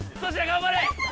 頑張れ！